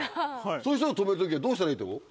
そういう人を止める時はどうしたらいいと思う？